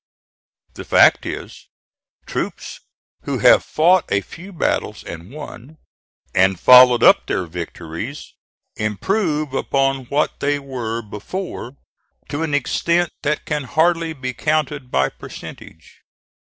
The fact is, troops who have fought a few battles and won, and followed up their victories, improve upon what they were before to an extent that can hardly be counted by percentage.